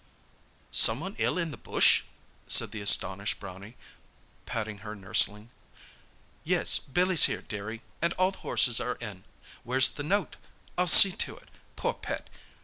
"Someone ill in the bush?" said the astonished Brownie, patting her nurseling. "Yes, Billy's here, dearie—and all the horses are in. Where's the note? I'll see to it. Poor pet!